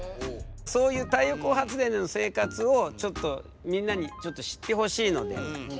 そういう太陽光発電での生活をみんなにちょっと知ってほしいので。